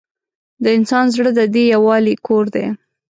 د انسان زړه د دې یووالي کور دی.